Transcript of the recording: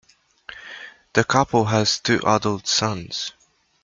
The couple has two adult sons.